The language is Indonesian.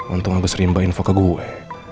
untung agus rimba info ke gue